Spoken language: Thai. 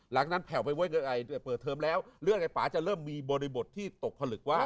หลังนั้นแผ่วไปเว้ยเกิดอะไรผมไปเปิดเทิมแล้วเพื่องเรือนลาพาจะเริ่มมีบริบทบทย์ที่ตกผลึกว่า